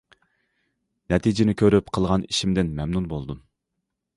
نەتىجىنى كۆرۈپ قىلغان ئىشىمدىن مەمنۇن بولدۇم.